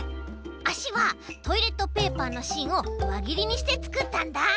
あしはトイレットペーパーのしんをわぎりにしてつくったんだ。